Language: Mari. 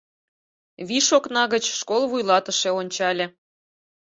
Виш окна гыч школ вуйлатыше ончале.